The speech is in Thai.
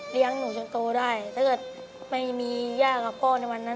หนูจนโตได้ถ้าเกิดไม่มีย่ากับพ่อในวันนั้น